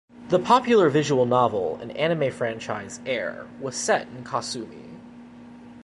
The popular visual novel and anime franchise "Air" was set in Kasumi.